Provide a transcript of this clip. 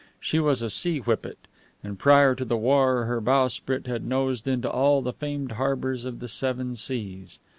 She was a sea whippet, and prior to the war her bowsprit had nosed into all the famed harbours of the seven seas.